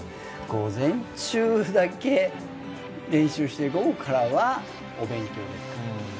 午前中だけ練習をして午後からはお勉強で。